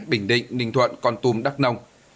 bình định ninh thuận con tum đắk nông